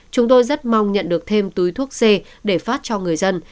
chúng tôi rất mong nhận được thêm túi thuốc c để phát cho người dân